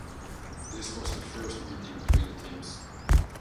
This was the first meeting between the teams.